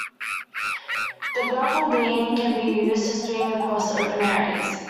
The Grapple Beam can be used to swing across open areas.